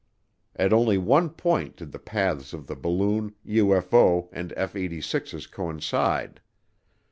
At only one point did the paths of the balloon, UFO, and F 86's coincide.